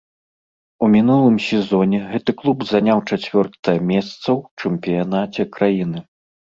У мінулым сезоне гэты клуб заняў чацвёртае месца ў чэмпіянаце краіны.